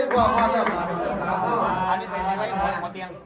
โชว์เลย๒๓สวด